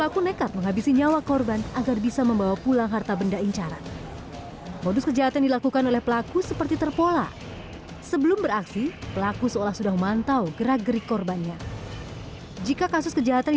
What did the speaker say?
ketimpangan sosial ditambah dengan tingginya jumlah pengangguran juga menjadi pemicu kejahatan